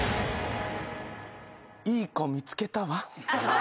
「いい子見つけたわ」